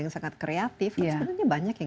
yang sangat kreatif sebenarnya banyak yang